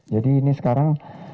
jadi ini sekarang